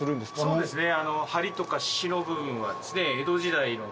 そうですね。